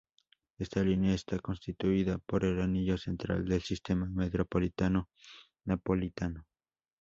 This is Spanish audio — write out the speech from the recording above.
Esta línea está constituida por el "anillo central" del sistema metropolitano napolitano.